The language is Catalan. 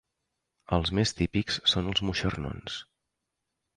Els més típics són els moixernons.